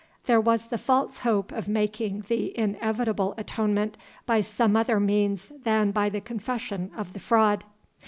There was the false hope of making the inevitable atonement by some other means than by the confession of the fraud.